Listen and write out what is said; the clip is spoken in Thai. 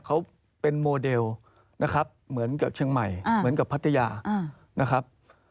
เขาเป็นโมเดลนะครับเหมือนกับเชียงใหม่เหมือนกับพัทยานะครับ